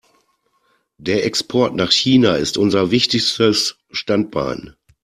Der Export nach China ist unser wichtigstes Standbein.